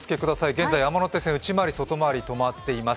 現在、山手線、内回り・外回り、止まっています。